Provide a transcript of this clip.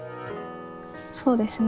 そうですね。